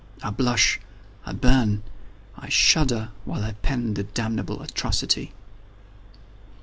I blush, I burn, I shudder, while I pen the damnable atrocity.